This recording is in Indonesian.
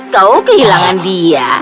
kau kehilangan dia